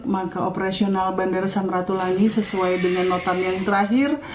maka operasional bandara samratulangi sesuai dengan notam yang terakhir